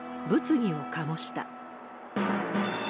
物議をかもした。